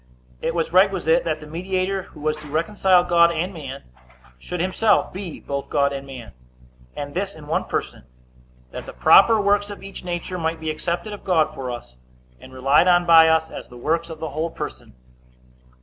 A. It was requisite that the mediator, who was to reconcile God and man, should himself be both God and man, and this in one person, that the proper works of each nature might be accepted of God for us, and relied on by us, as the works of the whole person.